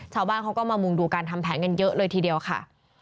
ชาวบ้านเขาก็มามุงดูการทำแผนกันเยอะเลยทีเดียวค่ะ